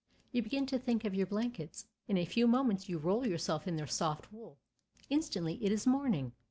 You begin to think of your blankets. In a few moments you roll yourself in their soft wool. Instantly it is morning.